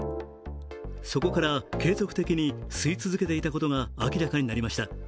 そこから継続的に吸い続けていたことが明らかになりました。